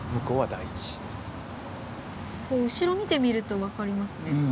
こう後ろ見てみると分かりますね。